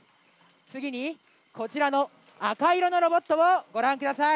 次にこちらの赤色のロボットをご覧下さい。